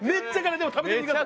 でも食べてみてください。